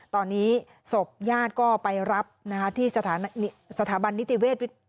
ตอนนี้ศพญาติก็ไปรับที่สถาบันนิติเวช